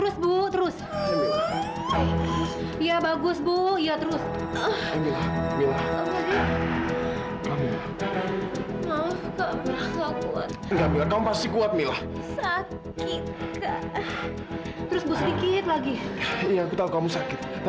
sampai jumpa di video selanjutnya